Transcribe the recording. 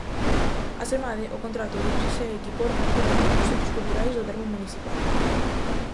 Asemade, o contrato diríxese a equipor con Internet os centros culturais do termo municipal.